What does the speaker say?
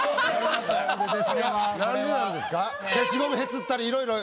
何でなんですか？